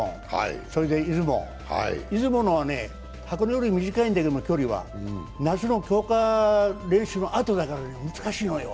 それで出雲、出雲のはね、箱根より距離は短いんだけど、夏の強化練習のあとだから難しいのよ。